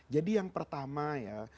jadi yang pertama ya